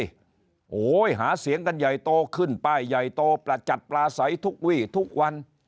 โอ้โหหาเสียงกันใหญ่โตขึ้นป้ายใหญ่โตประจัดปลาใสทุกวี่ทุกวัน